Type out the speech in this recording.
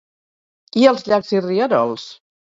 I els llacs i rierols?